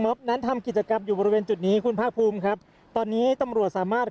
นั้นทำกิจกรรมอยู่บริเวณจุดนี้คุณภาคภูมิครับตอนนี้ตำรวจสามารถ